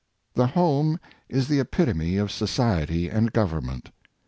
The home is the epitome of society and government.